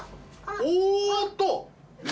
おっと！